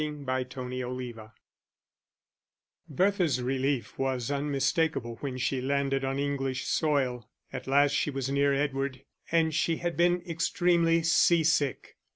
_ Chapter XXIII Bertha's relief was unmistakable when she landed on English soil; at last she was near Edward, and she had been extremely sea sick.